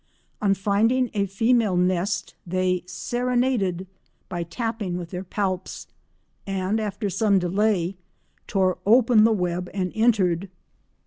On finding a female nest, they "serenaded" by tapping with their palps, and after some delay, tore open the web and entered.